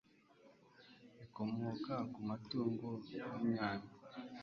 bikomoka ku matungo nk'inyama